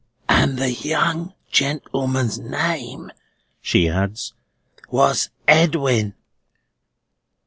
"And the young gentleman's name," she adds, "was Edwin."